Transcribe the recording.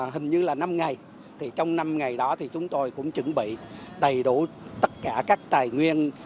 hình như là năm ngày thì trong năm ngày đó thì chúng tôi cũng chuẩn bị đầy đủ tất cả các tài nguyên